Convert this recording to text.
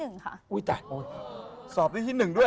ฮือยี้จ่ะที่๑สอบได้ที่๑ด้วย